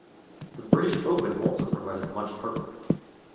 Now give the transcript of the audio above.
The British Open also provided much heartbreak.